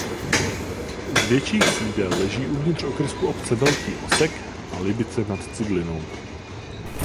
Z větších sídel leží uvnitř okrsku obce Velký Osek a Libice nad Cidlinou.